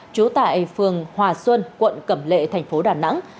trú tại phường hòa xuân quận cẩm lệ thành phố đà nẵng